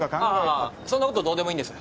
ああそんなことどうでもいいんです。